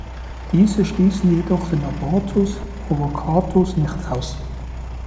Diese schließen jedoch den "abortus provocatus" nicht aus.